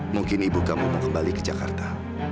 mungkin ibu kamu mau kembali ke jakarta